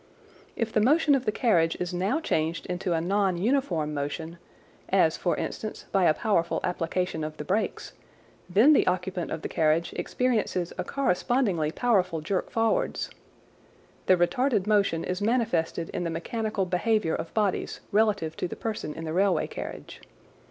If the motion of the carriage is now changed into a non uniform motion, as for instance by a powerful application of the brakes, then the occupant of the carriage experiences a correspondingly powerful jerk forwards. The retarded motion is manifested in the mechanical behaviour of bodies relative to the person in the railway carriage.